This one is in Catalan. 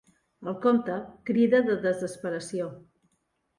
El comte crida de desesperació.